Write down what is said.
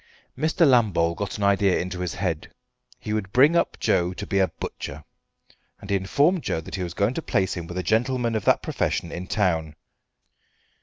Mr. Lambole got an idea into his head, he would bring up Joe to be a butcher, and he informed Joe that he was going to place him with a gentleman of that profession in town.